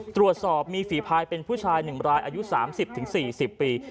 ตรวจสอบมีฝีพายเป็นผู้ชาย๑รายอายุ๓๐๔๐ปี